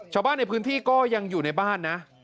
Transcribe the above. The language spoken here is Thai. ชาวบ้านในพื้นที่ก็ยังอยู่ในบ้านนะ